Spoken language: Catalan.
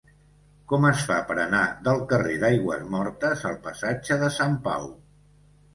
Com es fa per anar del carrer d'Aigüesmortes al passatge de Sant Pau?